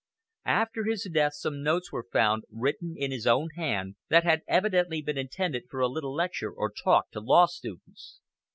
After his death some notes were found, written in his own hand, that had evidently been intended for a little lecture or talk to law students.